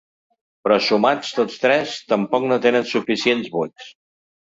Però sumats tots tres, tampoc no tenen suficients vots.